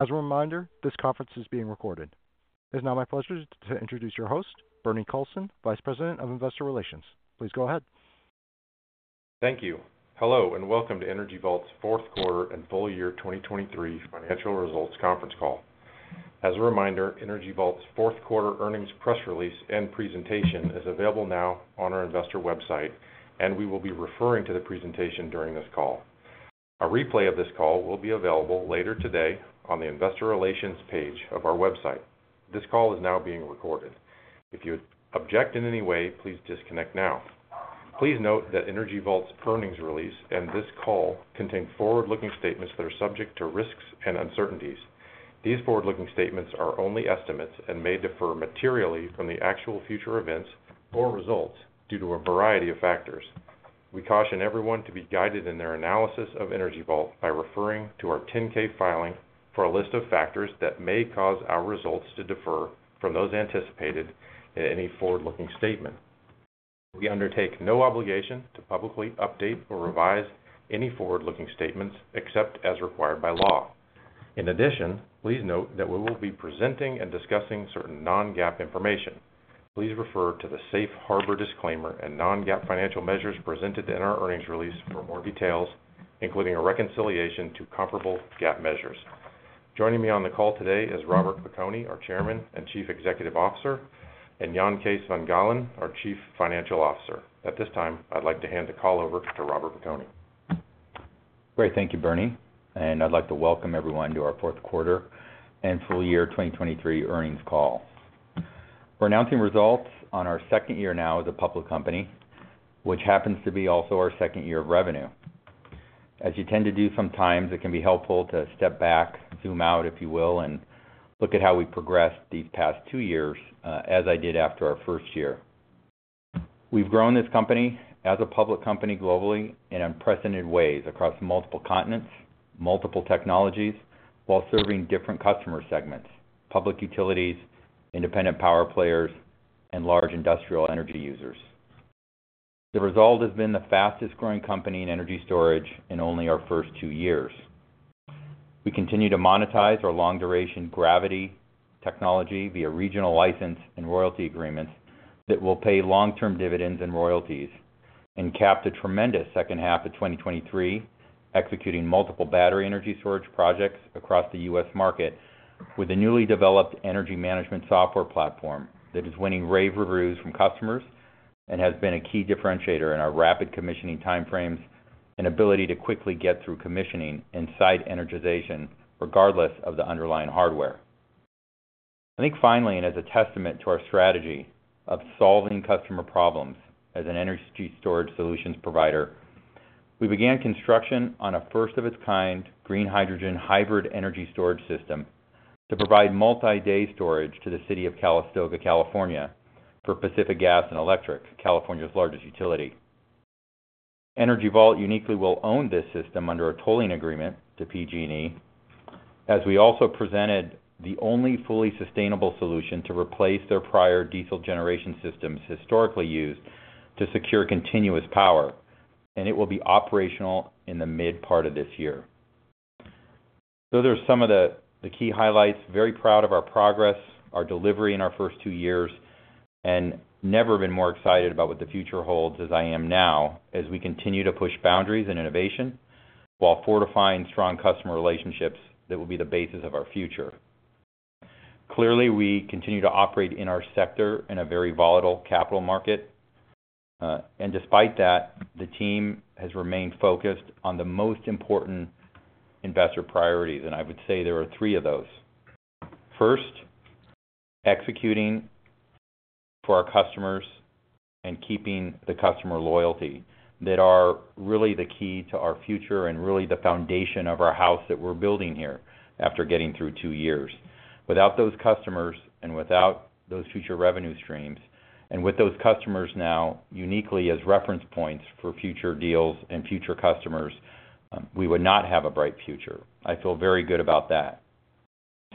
As a reminder, this conference is being recorded. It is now my pleasure to introduce your host, Bernie Colson, Vice President of Investor Relations. Please go ahead. Thank you. Hello and welcome to Energy Vault's Q4 and full year 2023 financial results conference call. As a reminder, Energy Vault's Q4 earnings press release and presentation is available now on our investor website, and we will be referring to the presentation during this call. A replay of this call will be available later today on the Investor Relations page of our website. This call is now being recorded. If you object in any way, please disconnect now. Please note that Energy Vault's earnings release and this call contain forward-looking statements that are subject to risks and uncertainties. These forward-looking statements are only estimates and may differ materially from the actual future events or results due to a variety of factors. We caution everyone to be guided in their analysis of Energy Vault by referring to our 10-K filing for a list of factors that may cause our results to differ from those anticipated in any forward-looking statement. We undertake no obligation to publicly update or revise any forward-looking statements except as required by law. In addition, please note that we will be presenting and discussing certain non-GAAP information. Please refer to the safe harbor disclaimer and non-GAAP financial measures presented in our earnings release for more details, including a reconciliation to comparable GAAP measures. Joining me on the call today is Robert Piconi, our Chairman and Chief Executive Officer, and Jan Kees van Gaalen, our Chief Financial Officer. At this time, I'd like to hand the call over to Robert Piconi. Great. Thank you, Bernie. I'd like to welcome everyone to our Q4 and full year 2023 earnings call. We're announcing results on our second year now as a public company, which happens to be also our second year of revenue. As you tend to do sometimes, it can be helpful to step back, zoom out, if you will, and look at how we progressed these past two years as I did after our first year. We've grown this company as a public company globally in unprecedented ways across multiple continents, multiple technologies, while serving different customer segments: public utilities, independent power players, and large industrial energy users. The result has been the fastest growing company in energy storage in only our first two years. We continue to monetize our long-duration Gravity technology via regional license and royalty agreements that will pay long-term dividends and royalties, and capped a tremendous second half of 2023 executing multiple battery energy storage projects across the U.S. market with a newly developed energy management software platform that is winning rave reviews from customers and has been a key differentiator in our rapid commissioning time frames and ability to quickly get through commissioning and site energization regardless of the underlying hardware. I think finally, and as a testament to our strategy of solving customer problems as an energy storage solutions provider, we began construction on a first-of-its-kind green hydrogen hybrid energy storage system to provide multi-day storage to the city of Calistoga, California, for Pacific Gas and Electric, California's largest utility. Energy Vault uniquely will own this system under a tolling agreement to PG&E, as we also presented the only fully sustainable solution to replace their prior diesel generation systems historically used to secure continuous power, and it will be operational in the mid-part of this year. So there are some of the key highlights. Very proud of our progress, our delivery in our first two years, and never been more excited about what the future holds as I am now as we continue to push boundaries and innovation while fortifying strong customer relationships that will be the basis of our future. Clearly, we continue to operate in our sector in a very volatile capital market, and despite that, the team has remained focused on the most important investor priorities, and I would say there are three of those. First, executing for our customers and keeping the customer loyalty that are really the key to our future and really the foundation of our house that we're building here after getting through two years. Without those customers and without those future revenue streams and with those customers now uniquely as reference points for future deals and future customers, we would not have a bright future. I feel very good about that.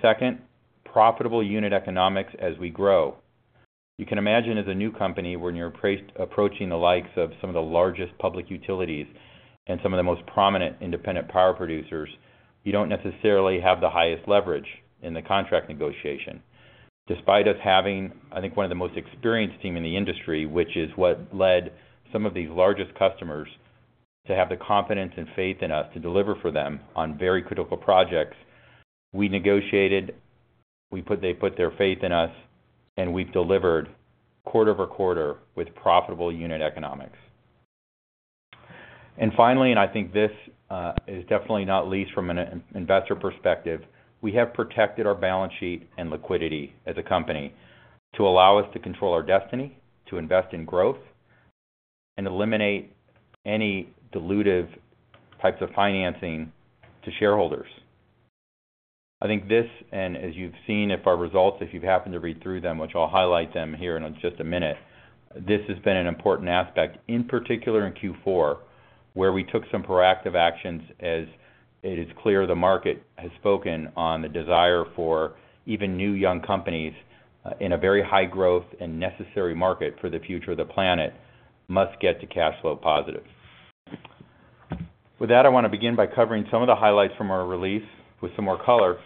Second, profitable unit economics as we grow. You can imagine as a new company when you're approaching the likes of some of the largest public utilities and some of the most prominent independent power producers, you don't necessarily have the highest leverage in the contract negotiation. Despite us having, I think, one of the most experienced teams in the industry, which is what led some of these largest customers to have the confidence and faith in us to deliver for them on very critical projects, we negotiated, they put their faith in us, and we've delivered quarter-over-quarter with profitable unit economics. And finally, and I think this is definitely not least from an investor perspective, we have protected our balance sheet and liquidity as a company to allow us to control our destiny, to invest in growth, and eliminate any dilutive types of financing to shareholders. I think this, and as you've seen if our results, if you've happened to read through them, which I'll highlight them here in just a minute, this has been an important aspect, in particular in Q4, where we took some proactive actions as it is clear the market has spoken on the desire for even new young companies in a very high-growth and necessary market for the future of the planet must get to cash flow positive. With that, I want to begin by covering some of the highlights from our release with some more color,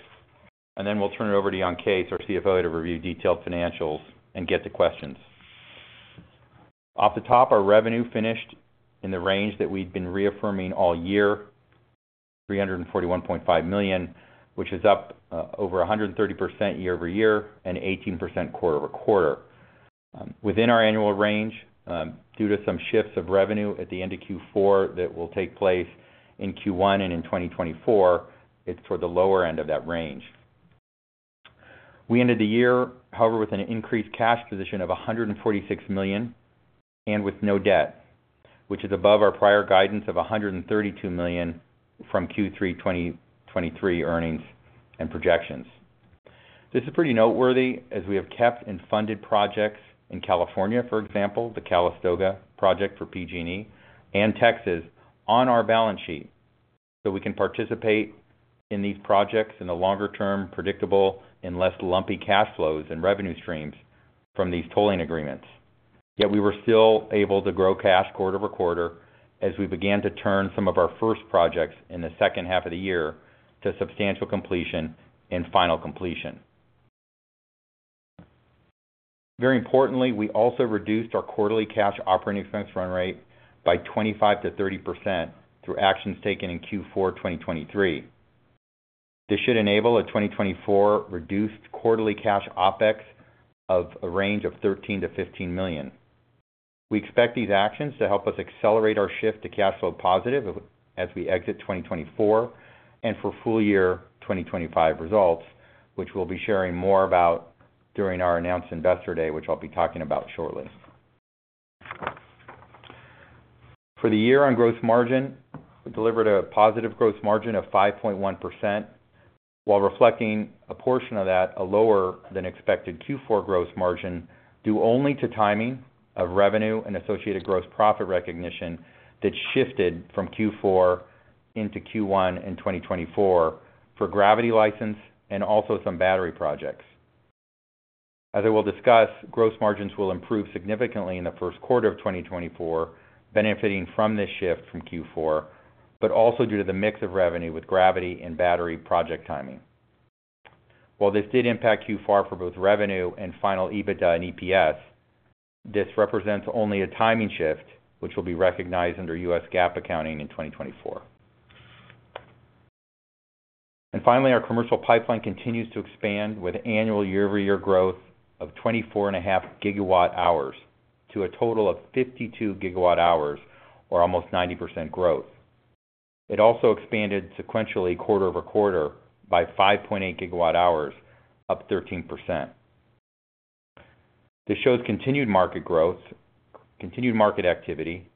and then we'll turn it over to Jan Kees, our CFO, to review detailed financials and get to questions. Off the top, our revenue finished in the range that we'd been reaffirming all year, $341.5 million, which is up over 130% year-over-year and 18% quarter-over-quarter. Within our annual range, due to some shifts of revenue at the end of Q4 that will take place in Q1 and in 2024, it's toward the lower end of that range. We ended the year, however, with an increased cash position of $146 million and with no debt, which is above our prior guidance of $132 million from Q3 2023 earnings and projections. This is pretty noteworthy as we have kept and funded projects in California, for example, the Calistoga project for PG&E, and Texas on our balance sheet so we can participate in these projects in the longer-term, predictable, and less lumpy cash flows and revenue streams from these tolling agreements. Yet we were still able to grow cash quarter-over-quarter as we began to turn some of our first projects in the second half of the year to substantial completion and final completion. Very importantly, we also reduced our quarterly cash operating expense run rate by 25%-30% through actions taken in Q4 2023. This should enable a 2024 reduced quarterly cash OpEx of a range of $13 million-$15 million. We expect these actions to help us accelerate our shift to cash flow positive as we exit 2024 and for full year 2025 results, which we'll be sharing more about during our announced Investor Day, which I'll be talking about shortly. For the year-on-growth margin, we delivered a positive growth margin of 5.1% while reflecting a portion of that, a lower-than-expected Q4 growth margin, due only to timing of revenue and associated gross profit recognition that shifted from Q4 into Q1 in 2024 for Gravity license and also some battery projects. As I will discuss, gross margins will improve significantly in the Q1 of 2024, benefiting from this shift from Q4, but also due to the mix of revenue with Gravity and battery project timing. While this did impact Q4 for both revenue and final EBITDA and EPS, this represents only a timing shift, which will be recognized under U.S. GAAP accounting in 2024. Finally, our commercial pipeline continues to expand with annual year-over-year growth of 24.5 gigawatt-hours to a total of 52 gigawatt-hours or almost 90% growth. It also expanded sequentially quarter-over-quarter by 5.8 gigawatt-hours, up 13%. This shows continued market growth, continued market activity,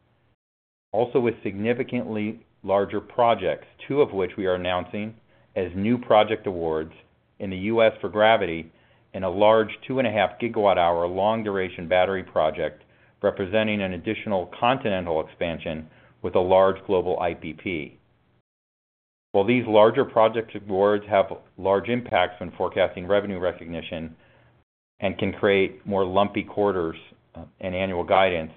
also with significantly larger projects, two of which we are announcing as new project awards in the U.S. for Gravity and a large 2.5 GWh long-duration battery project representing an additional continental expansion with a large global IPP. While these larger project awards have large impacts when forecasting revenue recognition and can create more lumpy quarters and annual guidance,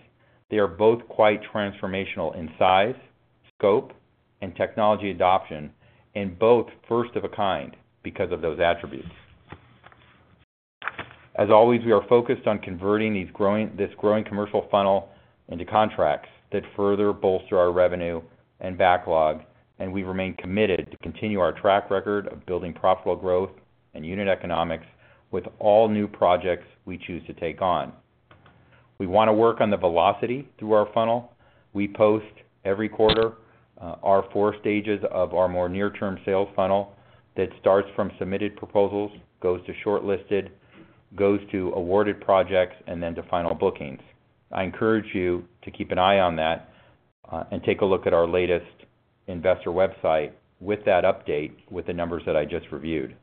they are both quite transformational in size, scope, and technology adoption and both first of a kind because of those attributes. As always, we are focused on converting this growing commercial funnel into contracts that further bolster our revenue and backlog, and we remain committed to continue our track record of building profitable growth and unit economics with all new projects we choose to take on. We want to work on the velocity through our funnel. We post every quarter our four stages of our more near-term sales funnel that starts from submitted proposals, goes to shortlisted, goes to awarded projects, and then to final bookings. I encourage you to keep an eye on that and take a look at our latest investor website with that update with the numbers that I just reviewed.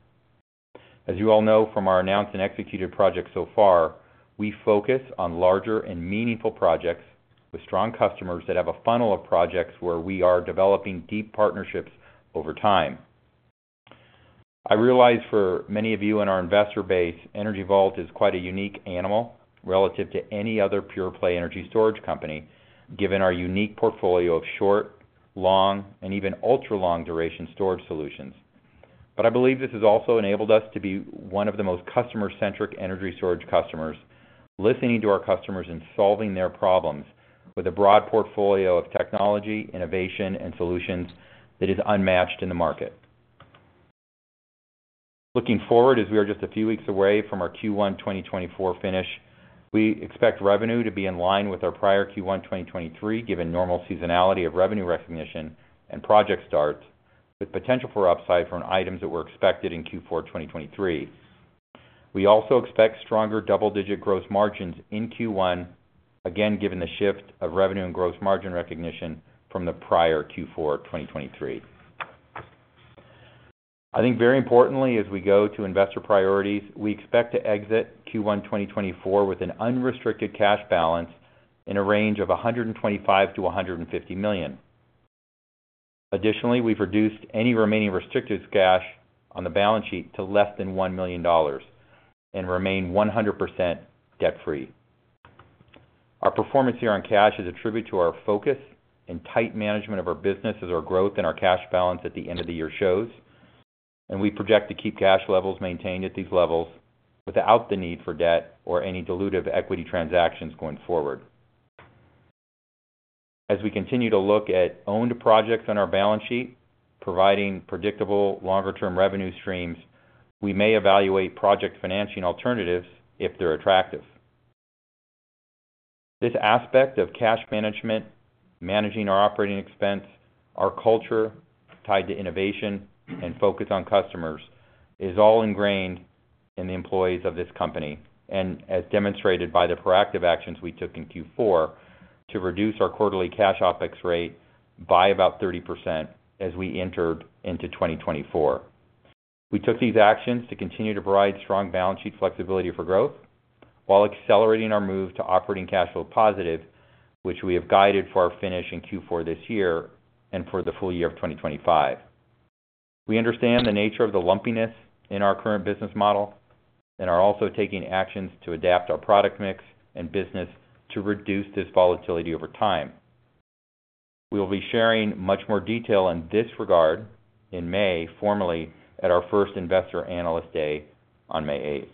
As you all know from our announced and executed projects so far, we focus on larger and meaningful projects with strong customers that have a funnel of projects where we are developing deep partnerships over time. I realize for many of you in our investor base, Energy Vault is quite a unique animal relative to any other pure-play energy storage company given our unique portfolio of short, long, and even ultra-long duration storage solutions. I believe this has also enabled us to be one of the most customer-centric energy storage customers, listening to our customers and solving their problems with a broad portfolio of technology, innovation, and solutions that is unmatched in the market. Looking forward, as we are just a few weeks away from our Q1 2024 finish, we expect revenue to be in line with our prior Q1 2023 given normal seasonality of revenue recognition and project starts with potential for upside from items that were expected in Q4 2023. We also expect stronger double-digit gross margins in Q1, again given the shift of revenue and gross margin recognition from the prior Q4 2023. I think very importantly, as we go to investor priorities, we expect to exit Q1 2024 with an unrestricted cash balance in a range of $125 million-$150 million. Additionally, we've reduced any remaining restrictive cash on the balance sheet to less than $1 million and remain 100% debt-free. Our performance here on cash is attributed to our focus and tight management of our business as our growth and our cash balance at the end of the year shows, and we project to keep cash levels maintained at these levels without the need for debt or any dilutive equity transactions going forward. As we continue to look at owned projects on our balance sheet providing predictable longer-term revenue streams, we may evaluate project financing alternatives if they're attractive. This aspect of cash management, managing our operating expense, our culture tied to innovation, and focus on customers is all ingrained in the employees of this company and as demonstrated by the proactive actions we took in Q4 to reduce our quarterly cash OpEx rate by about 30% as we entered into 2024. We took these actions to continue to provide strong balance sheet flexibility for growth while accelerating our move to operating cash flow positive, which we have guided for our finish in Q4 this year and for the full year of 2025. We understand the nature of the lumpiness in our current business model and are also taking actions to adapt our product mix and business to reduce this volatility over time. We will be sharing much more detail in this regard in May formally at our first investor analyst day on May 8th.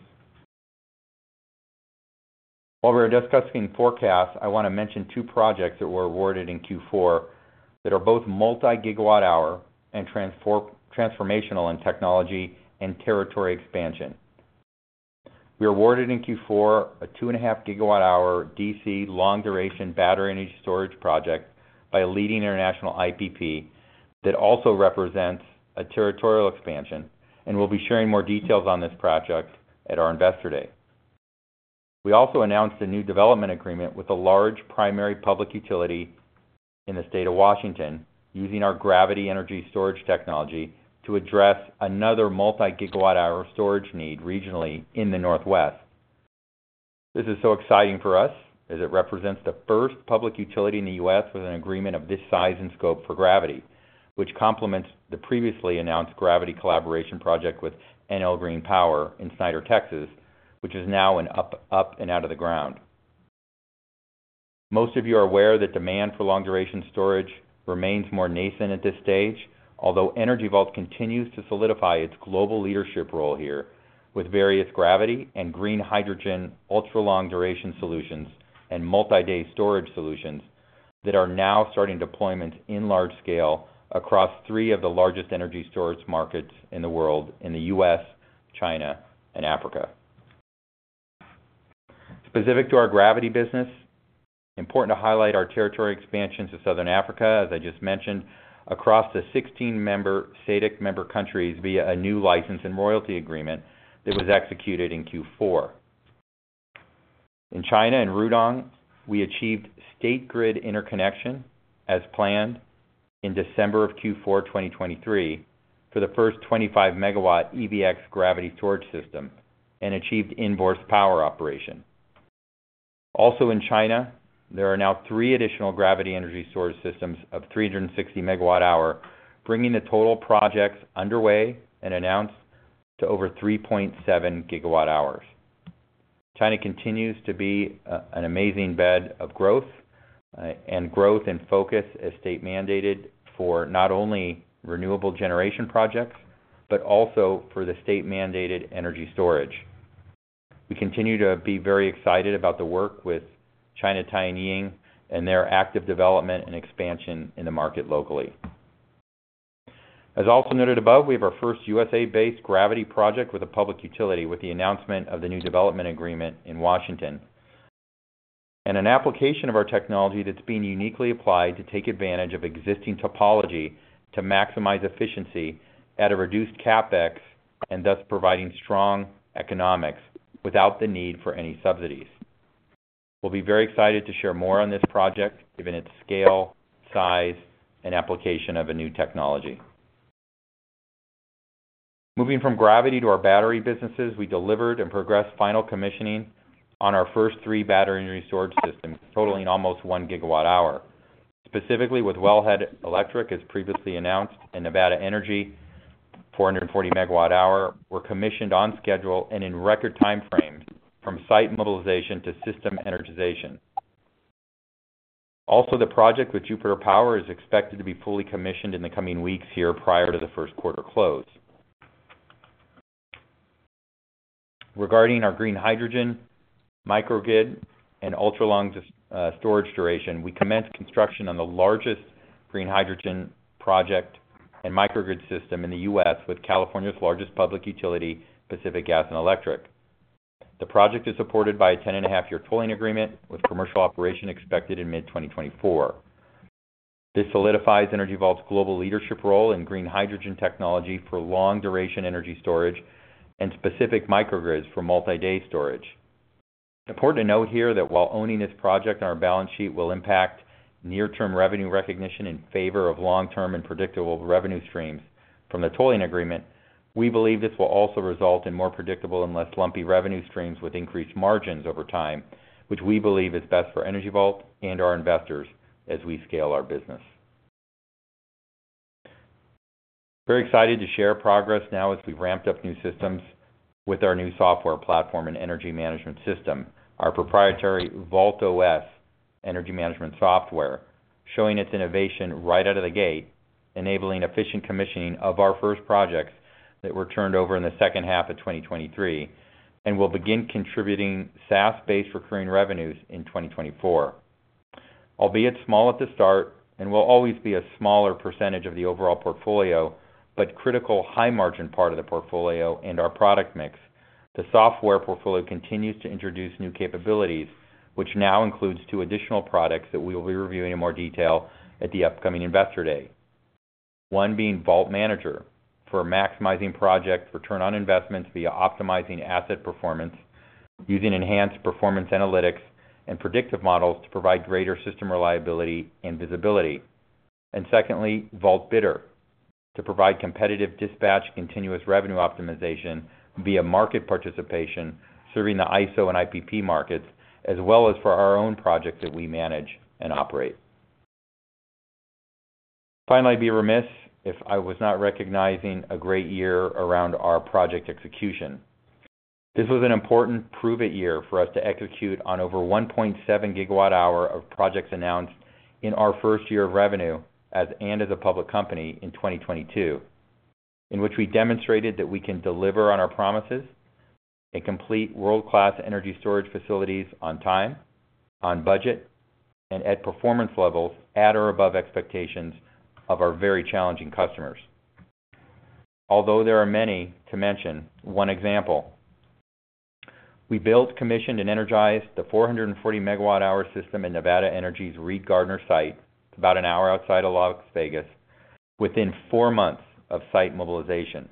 While we were discussing forecasts, I want to mention two projects that were awarded in Q4 that are both multi-GWh and transformational in technology and territory expansion. We awarded in Q4 a 2.5 GWh DC long-duration battery energy storage project by a leading international IPP that also represents a territorial expansion and will be sharing more details on this project at our investor day. We also announced a new development agreement with a large primary public utility in the state of Washington using our gravity energy storage technology to address another multi-GWh storage need regionally in the northwest. This is so exciting for us as it represents the first public utility in the U.S. with an agreement of this size and scope for Gravity, which complements the previously announced Gravity collaboration project with Enel Green Power in Snyder, Texas, which is now up and out of the ground. Most of you are aware that demand for long-duration storage remains more nascent at this stage, although Energy Vault continues to solidify its global leadership role here with various Gravity and green hydrogen ultra-long duration solutions and multi-day storage solutions that are now starting deployments in large scale across three of the largest energy storage markets in the world in the U.S., China, and Africa. Specific to our Gravity business, important to highlight our territory expansions to Southern Africa, as I just mentioned, across the 16 SADC member countries via a new license and royalty agreement that was executed in Q4. In China and Rudong, we achieved State Grid interconnection as planned in December of Q4 2023 for the first 25-MW EVx gravity storage system and achieved in-service power operation. Also in China, there are now three additional gravity energy storage systems of 360 MWh, bringing the total projects underway and announced to over 3.7 GWh. China continues to be an amazing bed of growth and growth and focus as state-mandated for not only renewable generation projects but also for the state-mandated energy storage. We continue to be very excited about the work with China Tianying and their active development and expansion in the market locally. As also noted above, we have our first USA-based Gravity project with a public utility with the announcement of the new development agreement in Washington and an application of our technology that's being uniquely applied to take advantage of existing topology to maximize efficiency at a reduced CapEx and thus providing strong economics without the need for any subsidies. We'll be very excited to share more on this project given its scale, size, and application of a new technology. Moving from Gravity to our battery businesses, we delivered and progressed final commissioning on our first 3 battery energy storage systems, totaling almost 1 GWh. Specifically with Wellhead Electric, as previously announced, and NV Energy, 440 MWh were commissioned on schedule and in record time frames from site mobilization to system energization. Also, the project with Jupiter Power is expected to be fully commissioned in the coming weeks here prior to the Q1 close. Regarding our green hydrogen, microgrid, and ultra-long storage duration, we commence construction on the largest green hydrogen project and microgrid system in the U.S. with California's largest public utility, Pacific Gas and Electric. The project is supported by a 10.5-year tolling agreement with commercial operation expected in mid-2024. This solidifies Energy Vault's global leadership role in green hydrogen technology for long-duration energy storage and specific microgrids for multi-day storage. Important to note here that while owning this project on our balance sheet will impact near-term revenue recognition in favor of long-term and predictable revenue streams from the tolling agreement, we believe this will also result in more predictable and less lumpy revenue streams with increased margins over time, which we believe is best for Energy Vault and our investors as we scale our business. Very excited to share progress now as we've ramped up new systems with our new software platform and energy management system, our proprietary VaultOS energy management software, showing its innovation right out of the gate, enabling efficient commissioning of our first projects that were turned over in the second half of 2023, and we'll begin contributing SaaS-based recurring revenues in 2024. Albeit small at the start and will always be a smaller percentage of the overall portfolio but critical high-margin part of the portfolio and our product mix, the software portfolio continues to introduce new capabilities, which now includes two additional products that we will be reviewing in more detail at the upcoming investor day, one being Vault Manager for maximizing project return on investments via optimizing asset performance, using enhanced performance analytics and predictive models to provide greater system reliability and visibility. And secondly, Vault Bidder to provide competitive dispatch continuous revenue optimization via market participation serving the ISO and IPP markets as well as for our own projects that we manage and operate. Finally, be remiss if I was not recognizing a great year around our project execution. This was an important prove it year for us to execute on over 1.7 GWh of projects announced in our first year of revenue as and as a public company in 2022, in which we demonstrated that we can deliver on our promises and complete world-class energy storage facilities on time, on budget, and at performance levels at or above expectations of our very challenging customers. Although there are many to mention, one example. We built, commissioned, and energized the 440 MWh system in NV Energy's Reid Gardner site about an hour outside of Las Vegas within four months of site mobilization,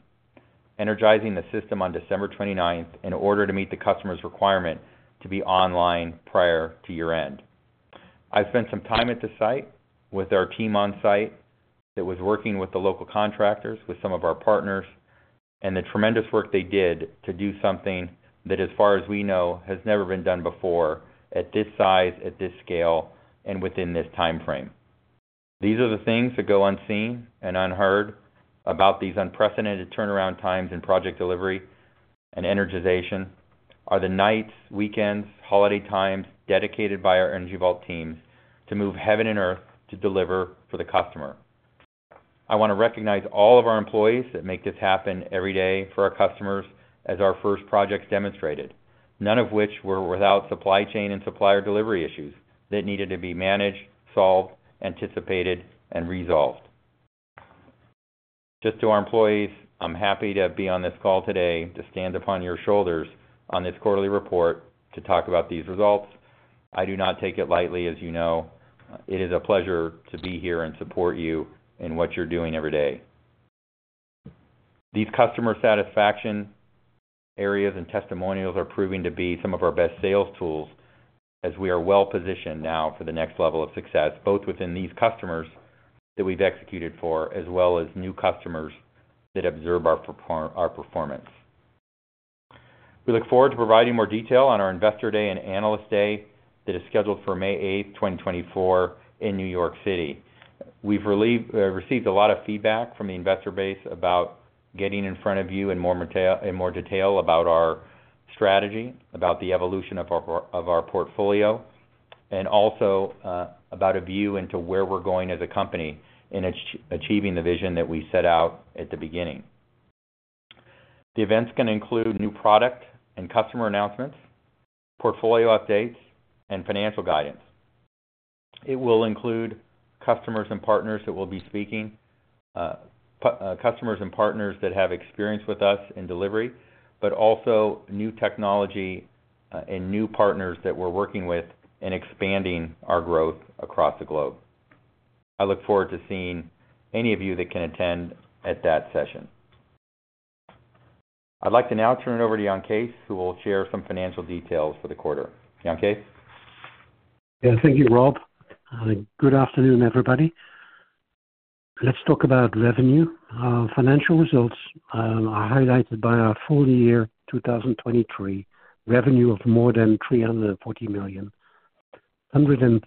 energizing the system on December 29th in order to meet the customer's requirement to be online prior to year end. I spent some time at the site with our team on site that was working with the local contractors, with some of our partners, and the tremendous work they did to do something that, as far as we know, has never been done before at this size, at this scale, and within this time frame. These are the things that go unseen and unheard about. These unprecedented turnaround times in project delivery and energization are the nights, weekends, holiday times dedicated by our Energy Vault teams to move heaven and earth to deliver for the customer. I want to recognize all of our employees that make this happen every day for our customers, as our first projects demonstrated, none of which were without supply chain and supplier delivery issues that needed to be managed, solved, anticipated, and resolved. Just to our employees, I'm happy to be on this call today to stand upon your shoulders on this quarterly report to talk about these results. I do not take it lightly, as you know. It is a pleasure to be here and support you in what you're doing every day. These customer satisfaction areas and testimonials are proving to be some of our best sales tools as we are well positioned now for the next level of success, both within these customers that we've executed for as well as new customers that observe our performance. We look forward to providing more detail on our investor day and analyst day that is scheduled for May 8th, 2024, in New York City. We've received a lot of feedback from the investor base about getting in front of you in more detail about our strategy, about the evolution of our portfolio, and also about a view into where we're going as a company in achieving the vision that we set out at the beginning. The events can include new product and customer announcements, portfolio updates, and financial guidance. It will include customers and partners that will be speaking, customers and partners that have experience with us in delivery, but also new technology and new partners that we're working with and expanding our growth across the globe. I look forward to seeing any of you that can attend at that session. I'd like to now turn it over to Jan Kees, who will share some financial details for the quarter. Jan Kees? Yeah. Thank you, Rob. Good afternoon, everybody. Let's talk about revenue. Financial results are highlighted by our full year 2023 revenue of more than $340 million, 134%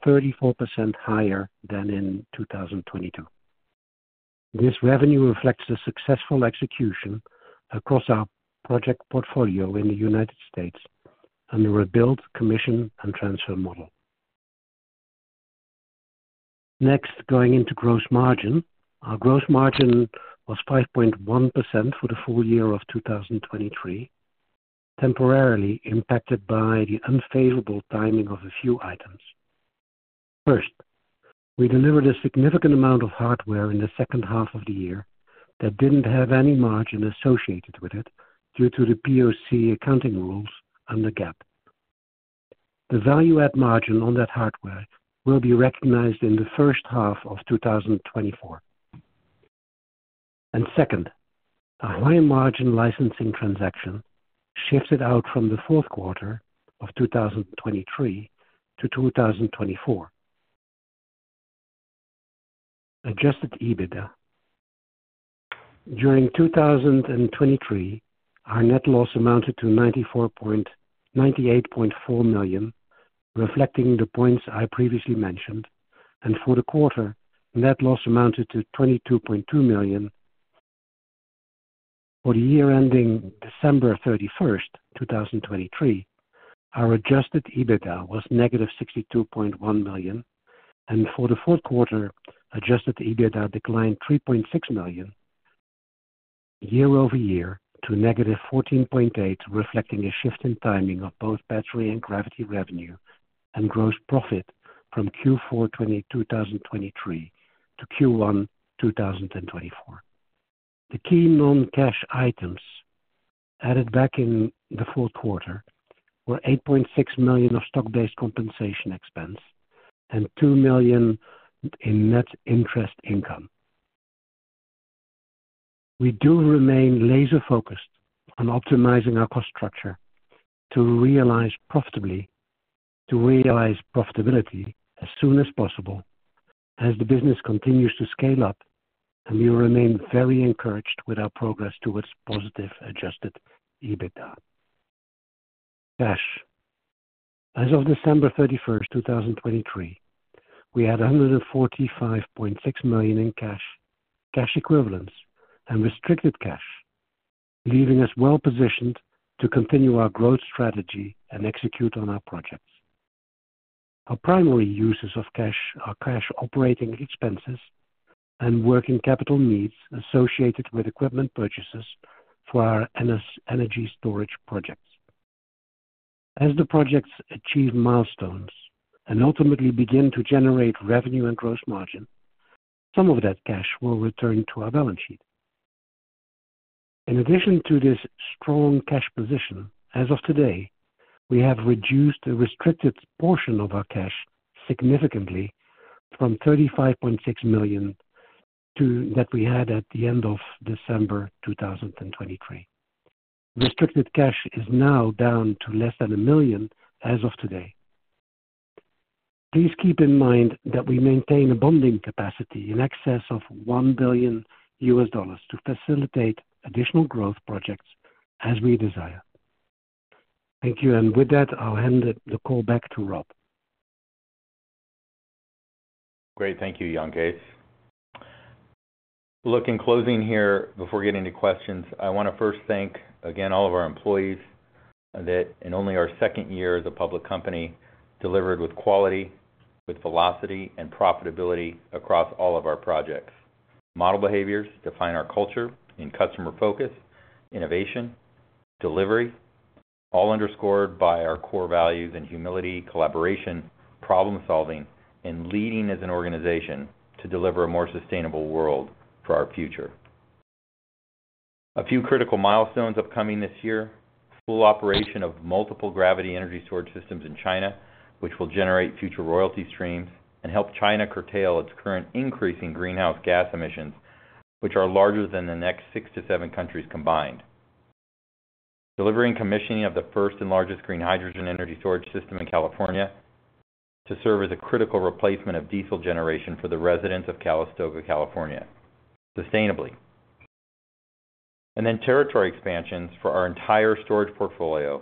higher than in 2022. This revenue reflects the successful execution across our project portfolio in the United States under a built commission and transfer model. Next, going into gross margin, our gross margin was 5.1% for the full year of 2023, temporarily impacted by the unfavorable timing of a few items. First, we delivered a significant amount of hardware in the second half of the year that didn't have any margin associated with it due to the POC accounting rules under GAAP. The value-add margin on that hardware will be recognized in the first half of 2024. And second, a high margin licensing transaction shifted out from the Q4 of 2023-2024. Adjusted EBITDA. During 2023, our net loss amounted to $94.8 million, reflecting the points I previously mentioned. For the quarter, net loss amounted to $22.2 million. For the year ending December 31st, 2023, our Adjusted EBITDA was negative $62.1 million. For the Q4, Adjusted EBITDA declined $3.6 million year over year to negative $14.8 million, reflecting a shift in timing of both battery and gravity revenue and gross profit from Q4 2023 to Q1 2024. The key non-cash items added back in the Q4 were $8.6 million of stock-based compensation expense and $2 million in net interest income. We do remain laser-focused on optimizing our cost structure to realize profitability as soon as possible as the business continues to scale up, and we remain very encouraged with our progress towards positive Adjusted EBITDA. Cash. As of December 31st, 2023, we had $145.6 million in cash, cash equivalents, and restricted cash, leaving us well positioned to continue our growth strategy and execute on our projects. Our primary uses of cash are cash operating expenses and working capital needs associated with equipment purchases for our energy storage projects. As the projects achieve milestones and ultimately begin to generate revenue and gross margin, some of that cash will return to our balance sheet. In addition to this strong cash position, as of today, we have reduced a restricted portion of our cash significantly from $35.6 million that we had at the end of December 2023. Restricted cash is now down to less than $1 million as of today. Please keep in mind that we maintain a bonding capacity in excess of $1 billion to facilitate additional growth projects as we desire. Thank you. With that, I'll hand the call back to Rob. Great. Thank you, Jan Kees. Look, in closing here before getting to questions, I want to first thank, again, all of our employees that in only our second year as a public company delivered with quality, with velocity, and profitability across all of our projects. Model behaviors define our culture in customer focus, innovation, delivery, all underscored by our core values in humility, collaboration, problem solving, and leading as an organization to deliver a more sustainable world for our future. A few critical milestones upcoming this year: full operation of multiple gravity energy storage systems in China, which will generate future royalty streams and help China curtail its current increasing greenhouse gas emissions, which are larger than the next six to seven countries combined. Delivering commissioning of the first and largest green hydrogen energy storage system in California to serve as a critical replacement of diesel generation for the residents of Calistoga, California, sustainably. Then territory expansions for our entire storage portfolio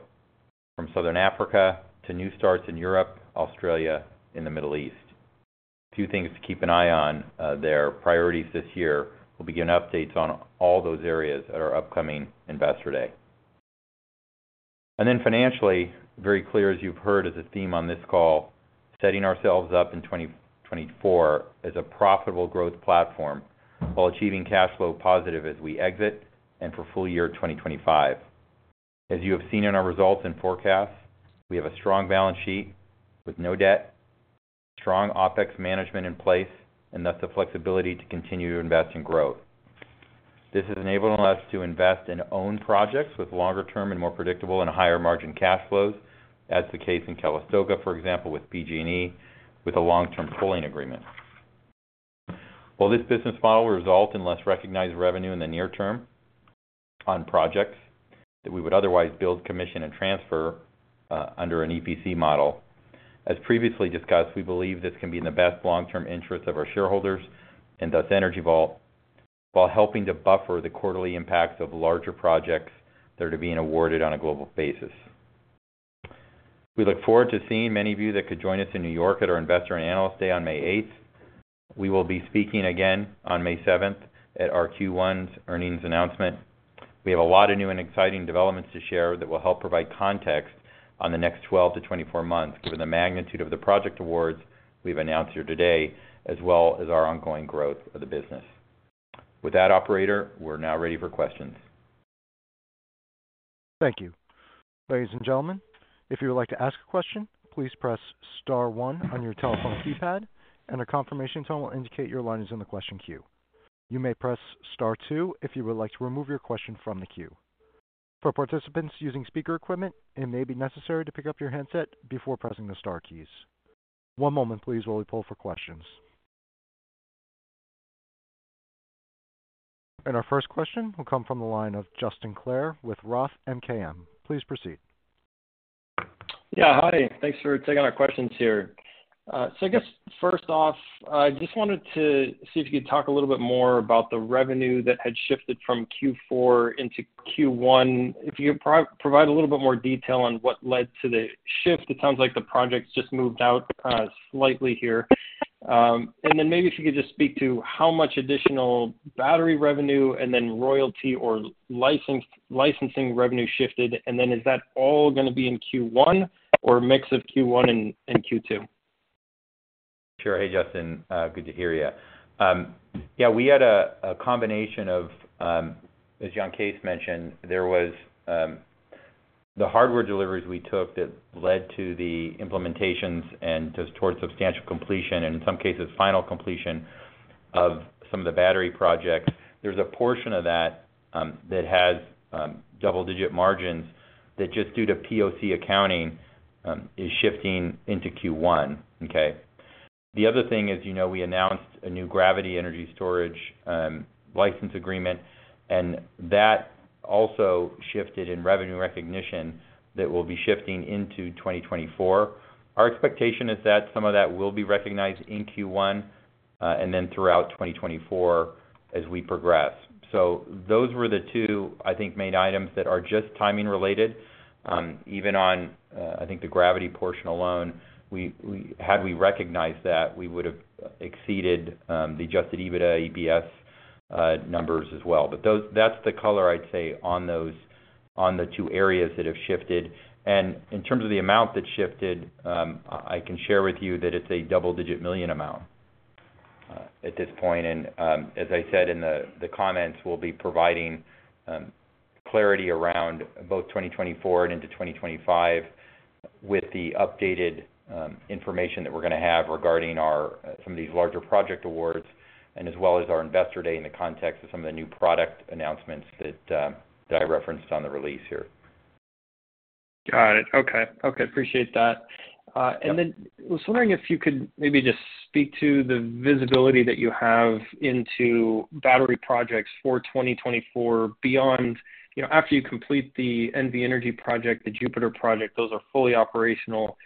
from Southern Africa to new starts in Europe, Australia, in the Middle East. A few things to keep an eye on. Their priorities this year. We'll be giving updates on all those areas at our upcoming investor day. Then financially, very clear as you've heard as a theme on this call, setting ourselves up in 2024 as a profitable growth platform while achieving cash flow positive as we exit and for full year 2025. As you have seen in our results and forecasts, we have a strong balance sheet with no debt, strong OpEx management in place, and thus the flexibility to continue to invest in growth. This has enabled us to invest and own projects with longer term and more predictable and higher margin cash flows, as the case in Calistoga, for example, with PG&E with a long term tolling agreement. Will this business model result in less recognized revenue in the near term on projects that we would otherwise build commission and transfer under an EPC model? As previously discussed, we believe this can be in the best long term interest of our shareholders and thus Energy Vault while helping to buffer the quarterly impacts of larger projects that are to be awarded on a global basis. We look forward to seeing many of you that could join us in New York at our investor and analyst day on May 8th. We will be speaking again on May 7th at our Q1's earnings announcement. We have a lot of new and exciting developments to share that will help provide context on the next 12-24 months, given the magnitude of the project awards we've announced here today, as well as our ongoing growth of the business. With that, operator, we're now ready for questions. Thank you. Ladies and gentlemen, if you would like to ask a question, please press star one on your telephone keypad, and a confirmation tone will indicate your line is in the question queue. You may press star two if you would like to remove your question from the queue. For participants using speaker equipment, it may be necessary to pick up your handset before pressing the star keys. One moment, please, while we pull for questions. And our first question will come from the line of Justin Clare with Roth MKM. Please proceed. Yeah. Hi. Thanks for taking our questions here. So I guess first off, I just wanted to see if you could talk a little bit more about the revenue that had shifted from Q4 into Q1. If you could provide a little bit more detail on what led to the shift. It sounds like the project just moved out slightly here. And then maybe if you could just speak to how much additional battery revenue and then royalty or licensing revenue shifted, and then is that all going to be in Q1 or a mix of Q1 and Q2? Sure. Hey, Justin. Good to hear you. Yeah. We had a combination of, as Jan Kees mentioned, there was the hardware deliveries we took that led to the implementations and towards substantial completion, and in some cases, final completion of some of the battery projects. There's a portion of that that has double-digit margins that just due to POC accounting is shifting into Q1. Okay? The other thing is we announced a new gravity energy storage license agreement, and that also shifted in revenue recognition that will be shifting into 2024. Our expectation is that some of that will be recognized in Q1 and then throughout 2024 as we progress. So those were the two, I think, main items that are just timing related. Even on, I think, the gravity portion alone, had we recognized that, we would have exceeded the Adjusted EBITDA, EPS numbers as well. But that's the color, I'd say, on the two areas that have shifted. And in terms of the amount that shifted, I can share with you that it's a double-digit million amount at this point. And as I said in the comments, we'll be providing clarity around both 2024 and into 2025 with the updated information that we're going to have regarding some of these larger project awards and as well as our investor day in the context of some of the new product announcements that I referenced on the release here. Got it. Okay. Okay. Appreciate that. And then I was wondering if you could maybe just speak to the visibility that you have into battery projects for 2024 beyond after you complete the NV Energy project, the Jupiter project, those are fully operational.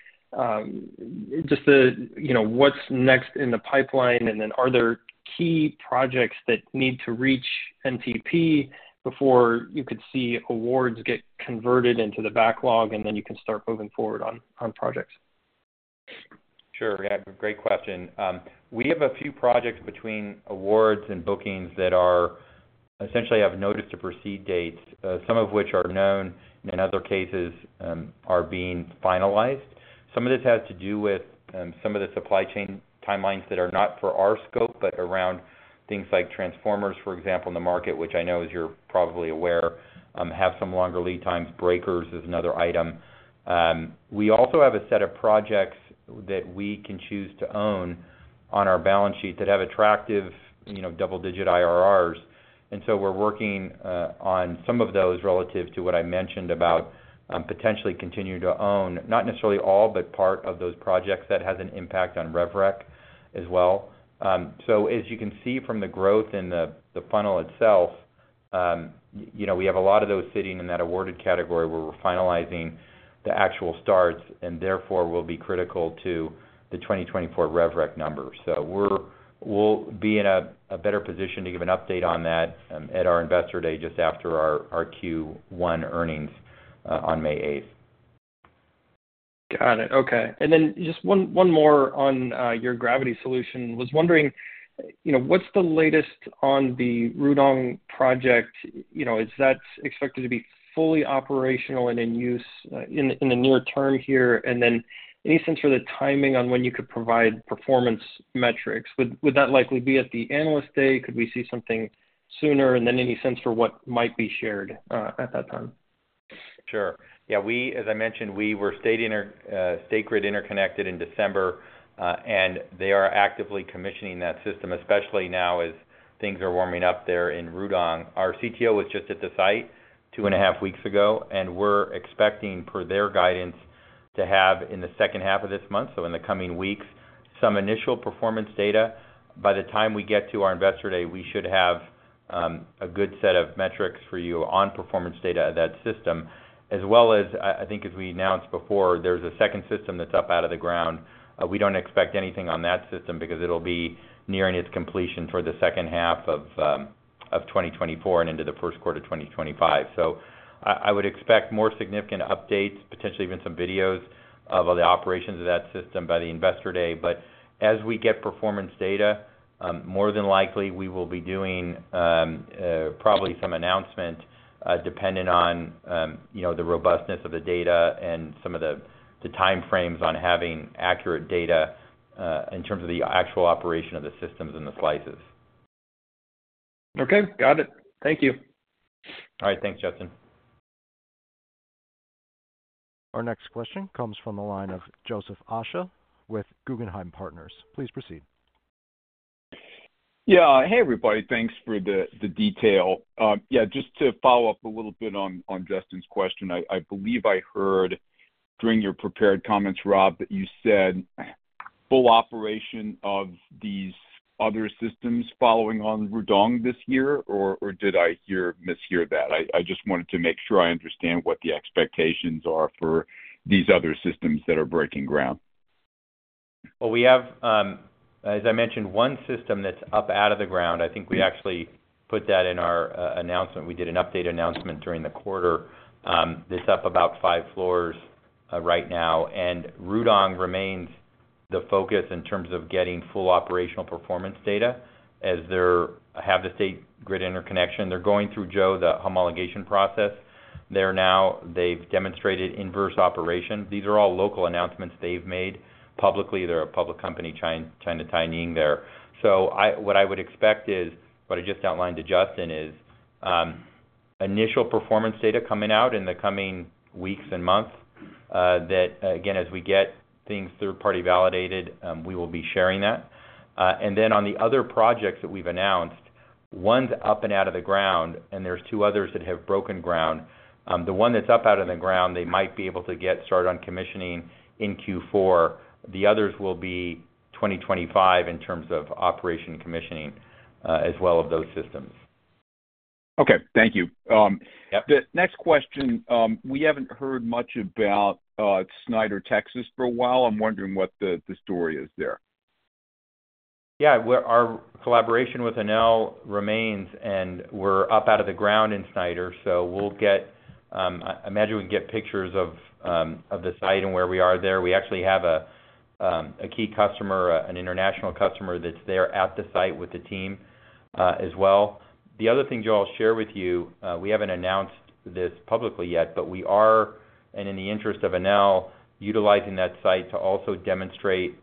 Just what's next in the pipeline, and then are there key projects that need to reach NTP before you could see awards get converted into the backlog and then you can start moving forward on projects? Sure. Yeah. Great question. We have a few projects between awards and bookings that essentially have notice to proceed dates, some of which are known and in other cases are being finalized. Some of this has to do with some of the supply chain timelines that are not for our scope but around things like transformers, for example, in the market, which I know as you're probably aware, have some longer lead times. Breakers is another item. We also have a set of projects that we can choose to own on our balance sheet that have attractive double digit IRRs. And so we're working on some of those relative to what I mentioned about potentially continuing to own, not necessarily all, but part of those projects that has an impact on RevRec as well. So as you can see from the growth in the funnel itself, we have a lot of those sitting in that awarded category where we're finalizing the actual starts and therefore will be critical to the 2024 RevRec numbers. So we'll be in a better position to give an update on that at our investor day just after our Q1 earnings on May 8th. Got it. Okay. And then just one more on your gravity solution. I was wondering, what's the latest on the Rudong project? Is that expected to be fully operational and in use in the near term here? And then any sense for the timing on when you could provide performance metrics? Would that likely be at the analyst day? Could we see something sooner? And then any sense for what might be shared at that time? Sure. Yeah. As I mentioned, we were State Grid interconnected in December, and they are actively commissioning that system, especially now as things are warming up there in Rudong. Our CTO was just at the site two and a half weeks ago, and we're expecting, per their guidance, to have in the second half of this month, so in the coming weeks, some initial performance data. By the time we get to our investor day, we should have a good set of metrics for you on performance data of that system, as well as, I think as we announced before, there's a second system that's up out of the ground. We don't expect anything on that system because it'll be nearing its completion toward the second half of 2024 and into the Q1 of 2025. So I would expect more significant updates, potentially even some videos of all the operations of that system by the investor day. But as we get performance data, more than likely, we will be doing probably some announcement depending on the robustness of the data and some of the time frames on having accurate data in terms of the actual operation of the systems and the slices. Okay. Got it. Thank you. All right. Thanks, Justin. Our next question comes from the line of Joseph Osha with Guggenheim Partners. Please proceed. Yeah. Hey, everybody. Thanks for the detail. Yeah. Just to follow up a little bit on Justin's question, I believe I heard during your prepared comments, Rob, that you said full operation of these other systems following on Rudong this year, or did I mishear that? I just wanted to make sure I understand what the expectations are for these other systems that are breaking ground. Well, we have, as I mentioned, 1 system that's up out of the ground. I think we actually put that in our announcement. We did an update announcement during the quarter. That's up about 5 floors right now. And Rudong remains the focus in terms of getting full operational performance data as they have the state grid interconnection. They're going through, Joe, the homologation process. They've demonstrated inverse operation. These are all local announcements they've made publicly. They're a public company, China Tianying there. So what I would expect is what I just outlined to Justin is initial performance data coming out in the coming weeks and months that, again, as we get things third party validated, we will be sharing that. And then on the other projects that we've announced, one's up and out of the ground, and there's two others that have broken ground. The one that's up out of the ground, they might be able to get started on commissioning in Q4. The others will be 2025 in terms of operation commissioning as well of those systems. Okay. Thank you. The next question, we haven't heard much about Snyder, Texas, for a while. I'm wondering what the story is there. Yeah. Our collaboration with Enel remains, and we're up out of the ground in Snyder. So I imagine we can get pictures of the site and where we are there. We actually have a key customer, an international customer, that's there at the site with the team as well. The other thing, Joe, I'll share with you, we haven't announced this publicly yet, but we are, and in the interest of Enel utilizing that site to also demonstrate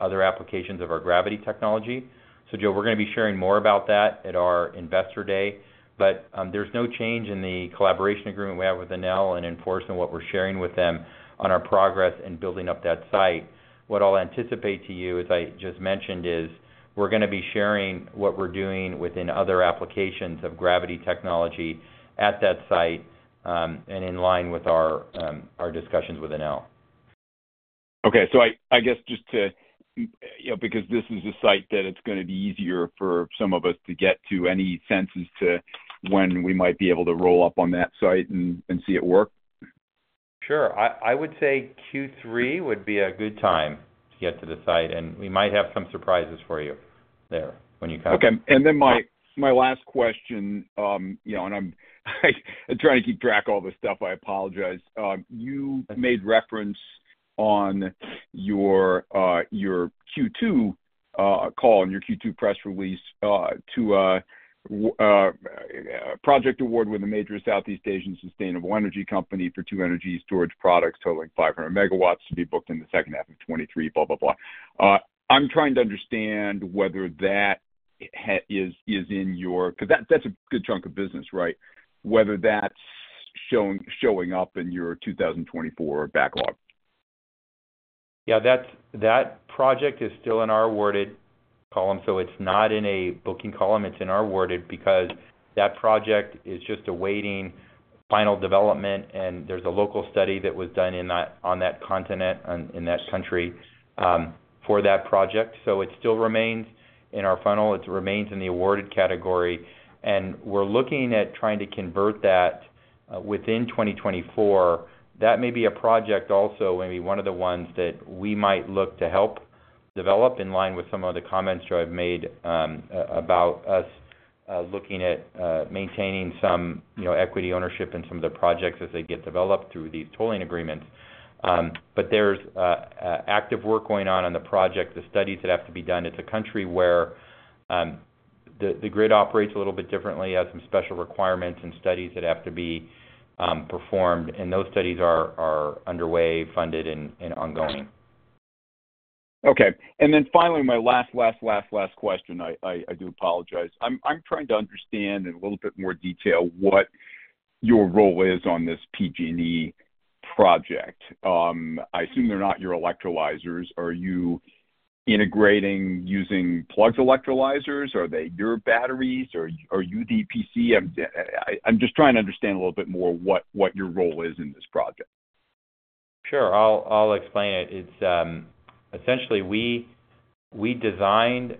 other applications of our gravity technology. So, Joe, we're going to be sharing more about that at our investor day. But there's no change in the collaboration agreement we have with Enel and in force on what we're sharing with them on our progress in building up that site. What I'll anticipate to you, as I just mentioned, is we're going to be sharing what we're doing within other applications of gravity technology at that site and in line with our discussions with Enel. Okay. So, I guess, just to because this is a site that it's going to be easier for some of us to get to any sense as to when we might be able to roll up on that site and see it work? Sure. I would say Q3 would be a good time to get to the site, and we might have some surprises for you there when you come. Okay. And then my last question, and I'm trying to keep track of all this stuff. I apologize. You made reference on your Q2 call and your Q2 press release to a project award with a major Southeast Asian sustainable energy company for two energy storage products totaling 500 MW to be booked in the second half of 2023, blah, blah, blah. I'm trying to understand whether that is in your backlog because that's a good chunk of business, right? Whether that's showing up in your 2024 backlog. Yeah. That project is still in our awarded column. So it's not in a booking column. It's in our awarded because that project is just awaiting final development, and there's a local study that was done on that continent, in that country, for that project. So it still remains in our funnel. It remains in the awarded category. And we're looking at trying to convert that within 2024. That may be a project also, maybe one of the ones that we might look to help develop in line with some of the comments, Joe, I've made about us looking at maintaining some equity ownership in some of the projects as they get developed through these tolling agreements. But there's active work going on on the project, the studies that have to be done. It's a country where the grid operates a little bit differently. It has some special requirements and studies that have to be performed. Those studies are underway, funded, and ongoing. Okay. And then finally, my last, last, last, last question. I do apologize. I'm trying to understand in a little bit more detail what your role is on this PG&E project. I assume they're not your electrolyzers. Are you integrating using Plug's electrolyzers? Are they your batteries, or are you EPC? I'm just trying to understand a little bit more what your role is in this project. Sure. I'll explain it. Essentially, we designed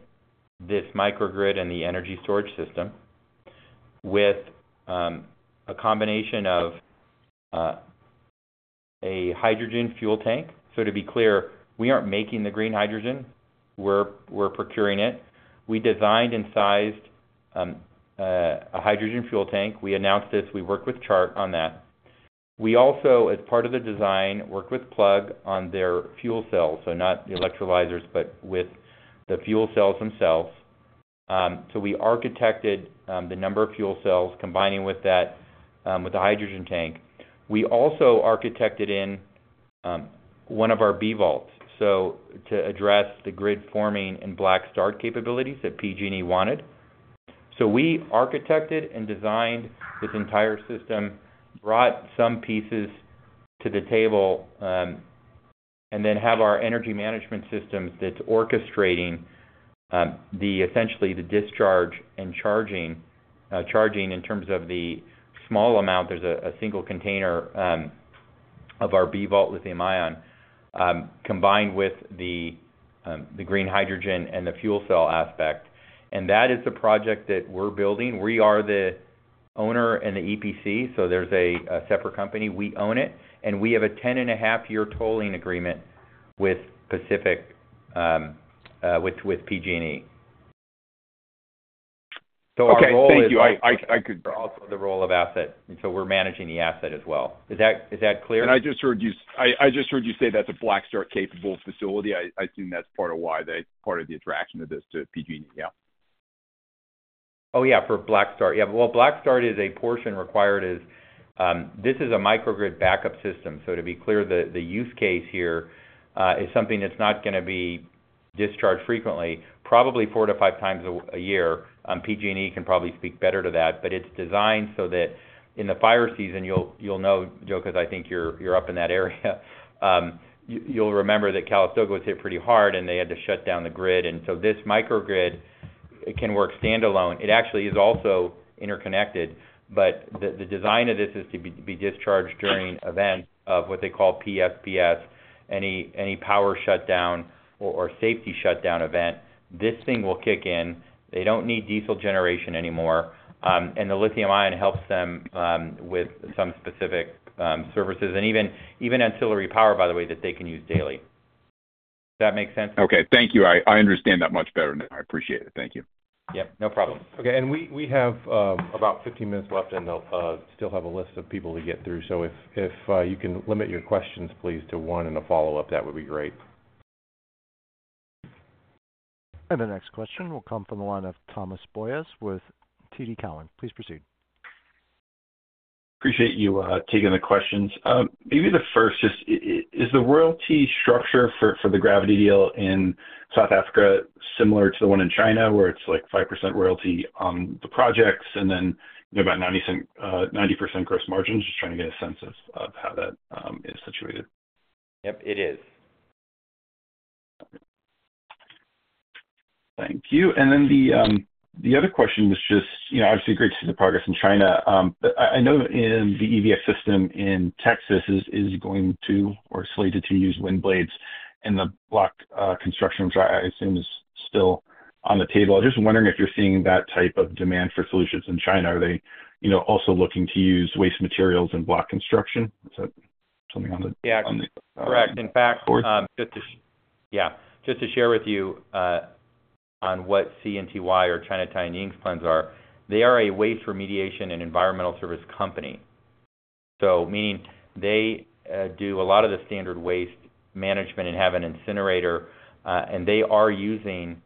this microgrid and the energy storage system with a combination of a hydrogen fuel tank. So to be clear, we aren't making the green hydrogen. We're procuring it. We designed and sized a hydrogen fuel tank. We announced this. We worked with Chart on that. We also, as part of the design, worked with Plug on their fuel cells, so not the electrolyzers, but with the fuel cells themselves. So we architected the number of fuel cells combining with that with the hydrogen tank. We also architected in one of our B-Vaults to address the grid forming and black start capabilities that PG&E wanted. So we architected and designed this entire system, brought some pieces to the table, and then have our energy management systems that's orchestrating essentially the discharge and charging in terms of the small amount there's a single container of our B-Vault lithium-ion combined with the green hydrogen and the fuel cell aspect. And that is the project that we're building. We are the owner and the EPC. So there's a separate company. We own it. And we have a 10.5-year tolling agreement with Pacific with PG&E. So our role is. Okay. Thank you. I also the role of asset. And so we're managing the asset as well. Is that clear? And I just heard you I just heard you say that's a Black Start capable facility. I assume that's part of why they part of the attraction of this to PG&E. Yeah. Oh, yeah. For Black Start. Yeah. Well, Black Start is a portion required as this is a microgrid backup system. So to be clear, the use case here is something that's not going to be discharged frequently, probably four to five times a year. PG&E can probably speak better to that. But it's designed so that in the fire season, you'll know, Joe, because I think you're up in that area, you'll remember that Calistoga was hit pretty hard, and they had to shut down the grid. And so this microgrid can work standalone. It actually is also interconnected, but the design of this is to be discharged during events of what they call PSPS, any power shutdown or safety shutdown event. This thing will kick in. They don't need diesel generation anymore. And the lithium-ion helps them with some specific services and even ancillary power, by the way, that they can use daily. Does that make sense? Okay. Thank you. I understand that much better now. I appreciate it. Thank you. Yep. No problem. Okay. And we have about 15 minutes left, and I'll still have a list of people to get through. So if you can limit your questions, please, to one and a follow-up, that would be great. And the next question will come from the line of Thomas Boyes with TD Cowen. Please proceed. Appreciate you taking the questions. Maybe the first just is the royalty structure for the gravity deal in South Africa similar to the one in China where it's like 5% royalty on the projects and then about 90% gross margins? Just trying to get a sense of how that is situated. Yep. It is. Thank you. And then the other question was just obviously, great to see the progress in China. But I know the EVx system in Texas is going to or is slated to use wind blades in the block construction, which I assume is still on the table. I'm just wondering if you're seeing that type of demand for solutions in China. Are they also looking to use waste materials in block construction? Is that something on the forward? Yeah. Correct. In fact, yeah. Just to share with you on what CNTY or China Tianying's plans are, they are a waste remediation and environmental service company, meaning they do a lot of the standard waste management and have an incinerator. They are using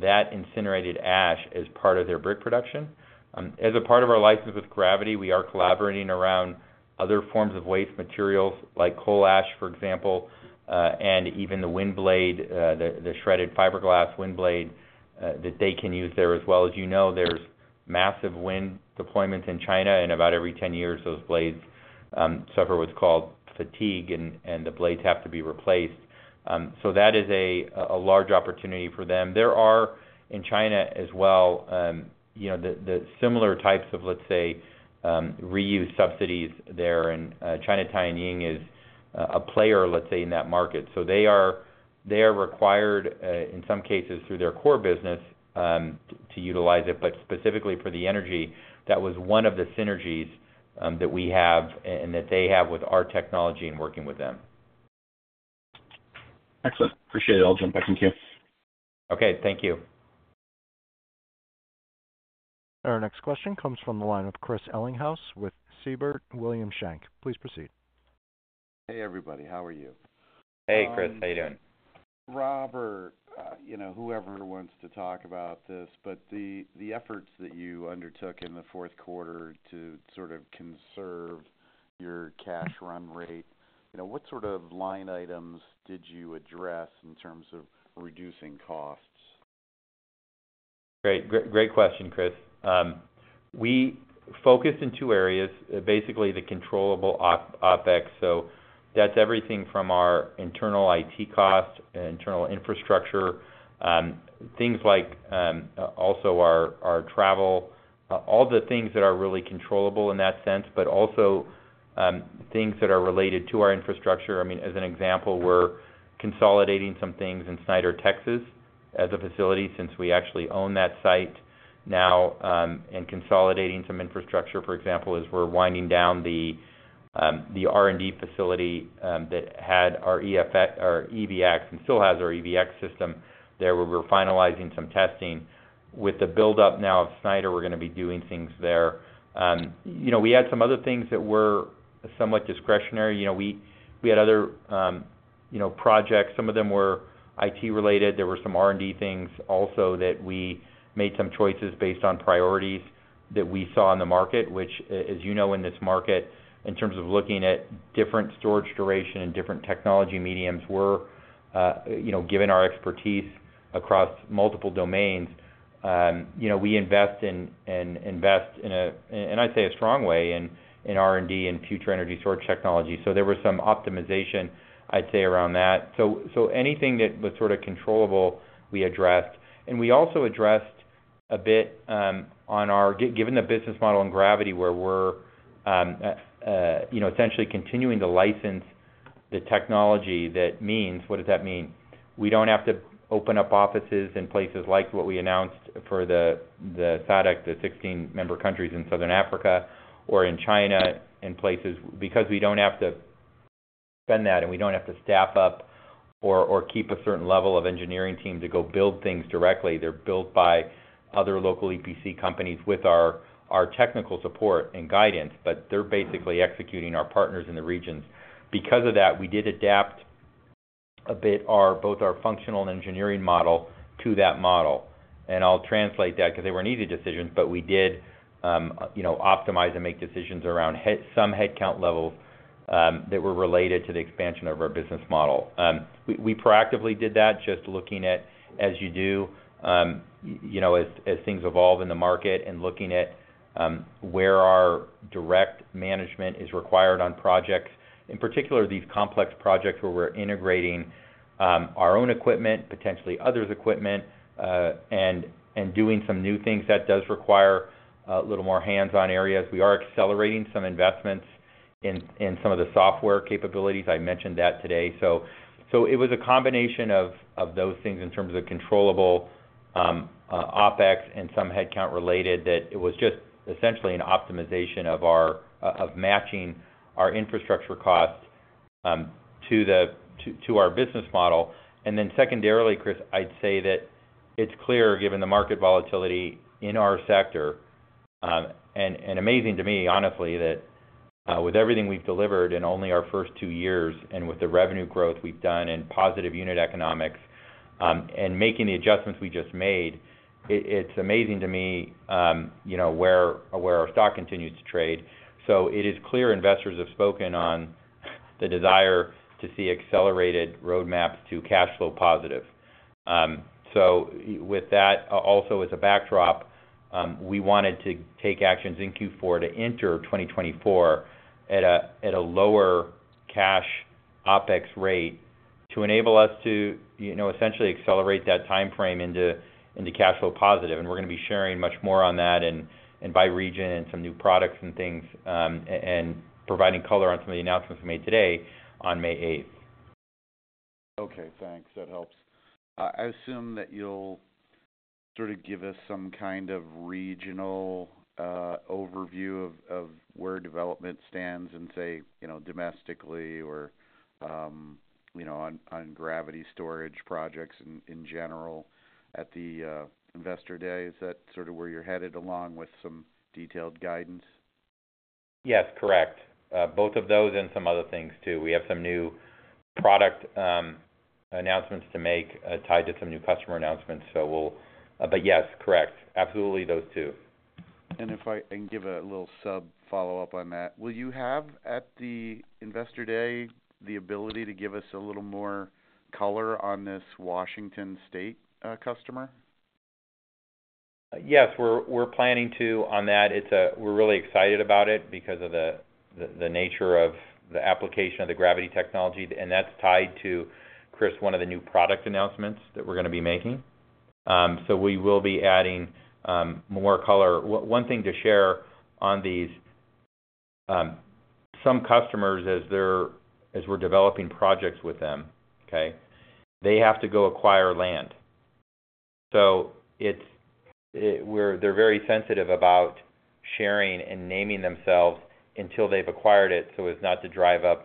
that incinerated ash as part of their brick production. As a part of our license with Gravity, we are collaborating around other forms of waste materials like coal ash, for example, and even the wind blade, the shredded fiberglass wind blade that they can use there as well. As there's massive wind deployments in China, and about every 10 years, those blades suffer what's called fatigue, and the blades have to be replaced. That is a large opportunity for them. There are in China as well the similar types of, let's say, reuse subsidies there. China Tianying is a player, let's say, in that market. So they are required, in some cases, through their core business to utilize it. But specifically for the energy, that was one of the synergies that we have and that they have with our technology and working with them. Excellent. Appreciate it. I'll jump back in too. Okay. Thank you. Our next question comes from the line of Chris Ellinghaus with Siebert Williams Shank. Please proceed. Hey, everybody. How are you? Hey, Chris. How you doing? Robert, whoever wants to talk about this, but the efforts that you undertook in the Q4 to sort of conserve your cash run rate, what sort of line items did you address in terms of reducing costs? Great. Great question, Chris. We focused in two areas, basically the controllable OPEX. So that's everything from our internal IT cost, internal infrastructure, things like also our travel, all the things that are really controllable in that sense, but also things that are related to our infrastructure. I mean, as an example, we're consolidating some things in Snyder, Texas, as a facility since we actually own that site now, and consolidating some infrastructure, for example, is we're winding down the R&D facility that had our EVx and still has our EVx system there where we're finalizing some testing. With the buildup now of Snyder, we're going to be doing things there. We had some other things that were somewhat discretionary. We had other projects. Some of them were IT related. There were some R&D things also that we made some choices based on priorities that we saw in the market, which, as you know, in this market, in terms of looking at different storage duration and different technology mediums, given our expertise across multiple domains, we invest in, and I say, a strong way in R&D and future energy storage technology. There was some optimization, I'd say, around that. Anything that was sort of controllable, we addressed. We also addressed a bit on our given the business model in Gravity where we're essentially continuing to license the technology, that means what does that mean? We don't have to open up offices in places like what we announced for the SADC, the 16 member countries in Southern Africa or in China and places because we don't have to spend that, and we don't have to staff up or keep a certain level of engineering team to go build things directly. They're built by other local EPC companies with our technical support and guidance, but they're basically executing our partners in the regions. Because of that, we did adapt a bit both our functional and engineering model to that model. And I'll translate that because they weren't easy decisions, but we did optimize and make decisions around some headcount levels that were related to the expansion of our business model. We proactively did that just looking at, as you do, as things evolve in the market and looking at where our direct management is required on projects, in particular, these complex projects where we're integrating our own equipment, potentially others' equipment, and doing some new things that does require a little more hands-on areas. We are accelerating some investments in some of the software capabilities. I mentioned that today. So it was a combination of those things in terms of controllable OpEx and some headcount-related that it was just essentially an optimization of matching our infrastructure cost to our business model. Then secondarily, Chris, I'd say that it's clear, given the market volatility in our sector and amazing to me, honestly, that with everything we've delivered in only our first two years and with the revenue growth we've done and positive unit economics and making the adjustments we just made, it's amazing to me where our stock continues to trade. So it is clear investors have spoken on the desire to see accelerated roadmaps to cash flow positive. So with that, also as a backdrop, we wanted to take actions in Q4 to enter 2024 at a lower cash OpEx rate to enable us to essentially accelerate that time frame into cash flow positive. And we're going to be sharing much more on that and by region and some new products and things and providing color on some of the announcements we made today on May 8th. Okay. Thanks. That helps. I assume that you'll sort of give us some kind of regional overview of where development stands and, say, domestically or on gravity storage projects in general at the investor day. Is that sort of where you're headed along with some detailed guidance? Yes. Correct. Both of those and some other things too. We have some new product announcements to make tied to some new customer announcements. But yes, correct. Absolutely, those two. And if I can give a little sub-follow-up on that, will you have at the investor day the ability to give us a little more color on this Washington state customer? Yes. We're planning to on that. We're really excited about it because of the nature of the application of the gravity technology. And that's tied to, Chris, one of the new product announcements that we're going to be making. So we will be adding more color. One thing to share on these, some customers, as we're developing projects with them, okay, they have to go acquire land. So they're very sensitive about sharing and naming themselves until they've acquired it so as not to drive up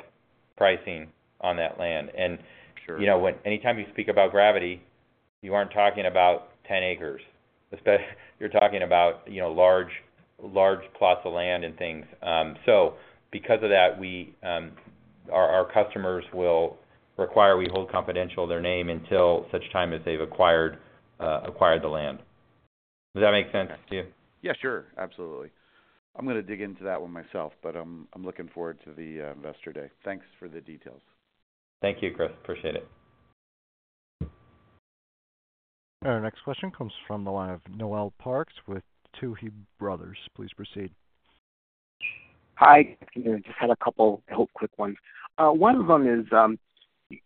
pricing on that land. And anytime you speak about Gravity, you aren't talking about 10 acres. You're talking about large plots of land and things. So because of that, our customers will require we hold confidential their name until such time as they've acquired the land. Does that make sense to you? Yeah. Sure. Absolutely. I'm going to dig into that one myself, but I'm looking forward to the investor day. Thanks for the details. Thank you, Chris. Appreciate it. Our next question comes from the line of Noel Parks with Tuohy Brothers. Please proceed. Hi. Just had a couple quick ones. One of them is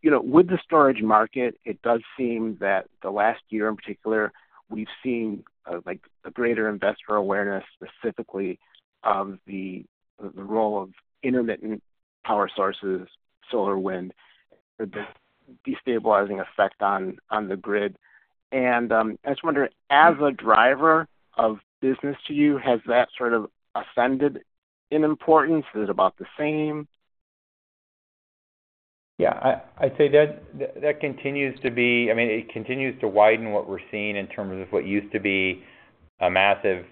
with the storage market. It does seem that the last year in particular, we've seen a greater investor awareness specifically of the role of intermittent power sources, solar, wind, the destabilizing effect on the grid. And I was wondering, as a driver of business to you, has that sort of ascended in importance? Is it about the same? Yeah. I'd say that continues to be. I mean, it continues to widen what we're seeing in terms of what used to be a massive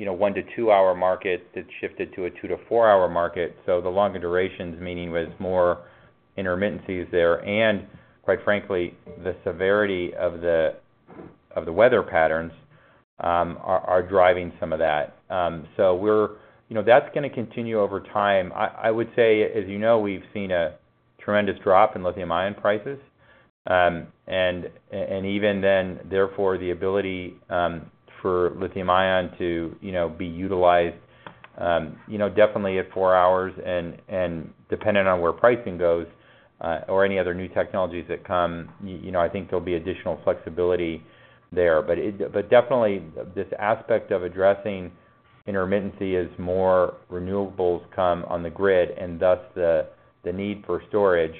1-2-hour market that shifted to a 2-4-hour market. So the longer durations, meaning with more intermittencies there, and quite frankly, the severity of the weather patterns are driving some of that. So that's going to continue over time. I would say, as you know, we've seen a tremendous drop in lithium-ion prices. And even then, therefore, the ability for lithium-ion to be utilized, definitely at 4 hours and dependent on where pricing goes or any other new technologies that come, I think there'll be additional flexibility there. But definitely, this aspect of addressing intermittency is more renewables come on the grid and thus the need for storage.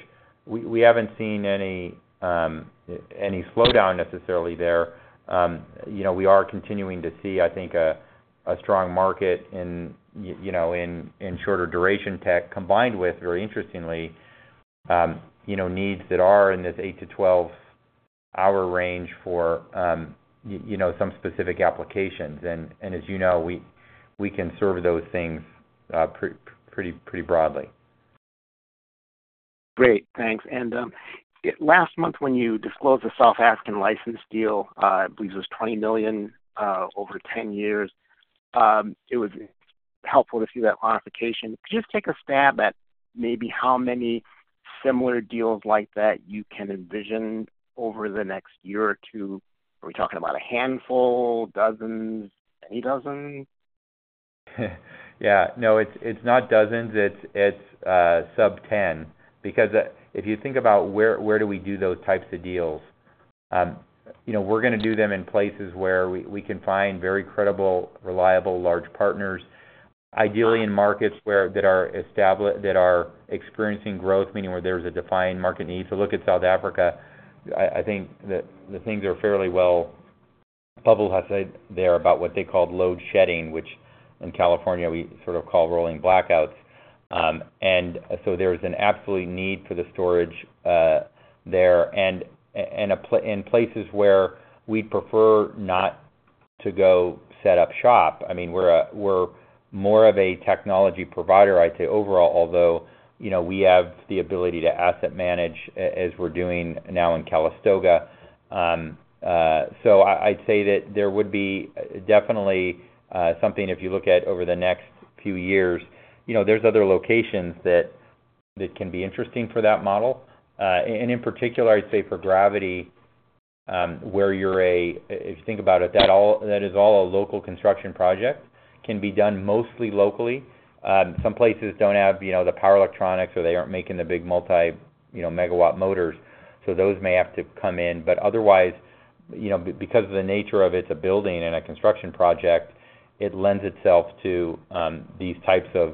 We haven't seen any slowdown necessarily there. We are continuing to see, I think, a strong market in shorter duration tech combined with, very interestingly, needs that are in this 8-12-hour range for some specific applications. And as you know, we can serve those things pretty broadly. Great. Thanks. And last month, when you disclosed the South African license deal, I believe it was $20 million over 10 years. It was helpful to see that modification. Could you just take a stab at maybe how many similar deals like that you can envision over the next year or two? Are we talking about a handful, dozens, any dozens? Yeah. No. It's not dozens. It's sub-10 because if you think about where do we do those types of deals, we're going to do them in places where we can find very credible, reliable, large partners, ideally in markets that are experiencing growth, meaning where there's a defined market need. So look at South Africa. I think the things are fairly well bubbled, I'd say, there about what they called load shedding, which in California, we sort of call rolling blackouts. And so there's an absolute need for the storage there. In places where we'd prefer not to go set up shop, I mean, we're more of a technology provider, I'd say, overall, although we have the ability to asset manage as we're doing now in Calistoga. So I'd say that there would be definitely something if you look at over the next few years. There's other locations that can be interesting for that model. And in particular, I'd say for Gravity, where you're a if you think about it, that is all a local construction project, can be done mostly locally. Some places don't have the power electronics, or they aren't making the big multi-megawatt motors. So those may have to come in. But otherwise, because of the nature of it's a building and a construction project, it lends itself to these types of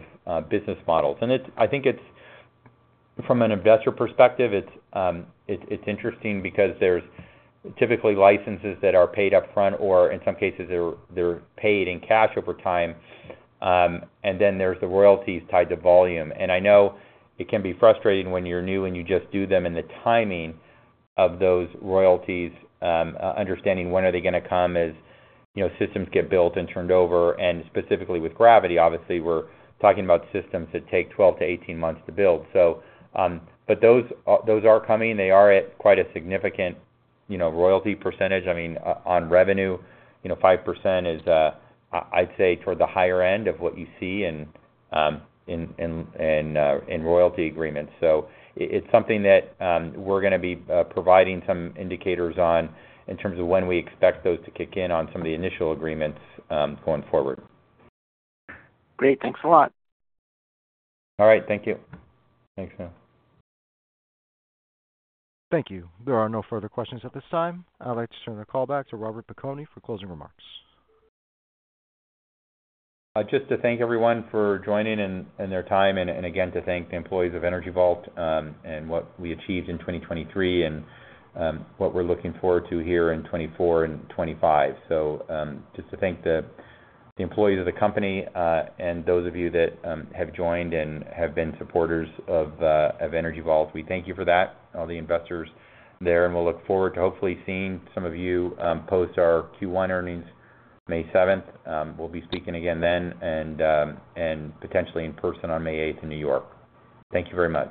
business models. I think from an investor perspective, it's interesting because there's typically licenses that are paid upfront or, in some cases, they're paid in cash over time. Then there's the royalties tied to volume. I know it can be frustrating when you're new and you just do them, and the timing of those royalties, understanding when are they going to come as systems get built and turned over. Specifically with Gravity, obviously, we're talking about systems that take 12-18 months to build. But those are coming. They are at quite a significant royalty percentage. I mean, on revenue, 5% is, I'd say, toward the higher end of what you see in royalty agreements. It's something that we're going to be providing some indicators on in terms of when we expect those to kick in on some of the initial agreements going forward. Great. Thanks a lot. All right. Thank you. Thank you. There are no further questions at this time. I'd like to turn the call back to Robert Piconi for closing remarks. Just to thank everyone for joining and their time, and again, to thank the employees of Energy Vault and what we achieved in 2023 and what we're looking forward to here in 2024 and 2025. So just to thank the employees of the company and those of you that have joined and have been supporters of Energy Vault, we thank you for that, all the investors there. We'll look forward to hopefully seeing some of you post our Q1 earnings May 7th. We'll be speaking again then and potentially in person on May 8th in New York. Thank you very much.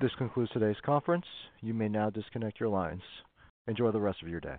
This concludes today's conference. You may now disconnect your lines. Enjoy the rest of your day.